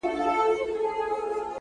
o ه بيا دي ږغ کي يو عالم غمونه اورم،